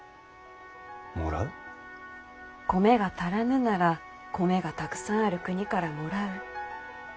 米が足らぬなら米がたくさんある国からもらう。